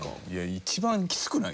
一番きつくない？